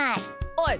おい！